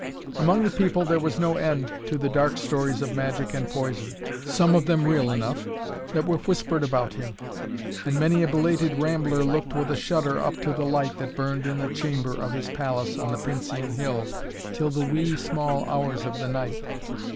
Among the people there was no end to the dark stories of magic and poison, some of them real enough, that were whispered about him, and many a belated rambler looked with a shudder up to the light that burned in a chamber of his palace on the Pincian Hill till the wee, small hours of the night.